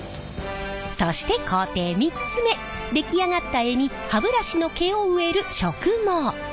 そして工程３つ目出来上がった柄に歯ブラシの毛を植える植毛。